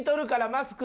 マスク？